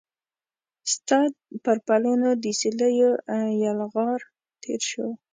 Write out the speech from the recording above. ستا پر پلونو د سیلېو یلغار تیر شو